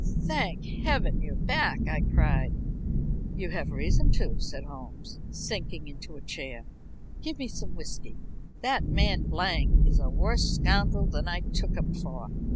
"Thank Heaven you're back," I cried. "You have reason to," said Holmes, sinking into a chair. "Give me some whiskey. That man Blank is a worse scoundrel than I took him for."